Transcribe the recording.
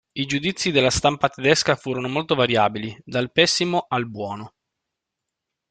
I giudizi della stampa tedesca furono molto variabili, dal pessimo al buono.